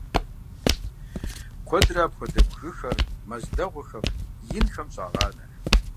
Куэдрэ апхуэдэ бгыхэр мэз дэгъуэхэм, инхэм щӀагъанэ.